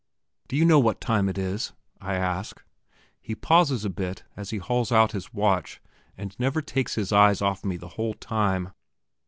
"Do you know what time it is?" I ask. He pauses a bit as he hauls out his watch, and never takes his eyes off me the whole time.